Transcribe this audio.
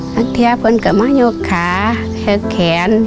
น้องเที่ยวเพื่อนก็มาอยู่ขาเที่ยวแขน